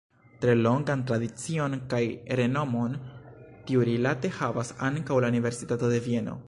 Tre longan tradicion kaj renomon tiurilate havas ankaŭ la Universitato de Vieno.